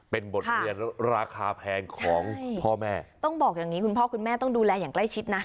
เป็นบทเรียนราคาแพงของพ่อแม่ต้องบอกอย่างนี้คุณพ่อคุณแม่ต้องดูแลอย่างใกล้ชิดนะ